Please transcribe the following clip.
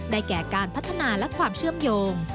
แก่การพัฒนาและความเชื่อมโยง